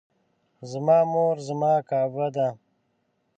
زما مور زما کعبه ده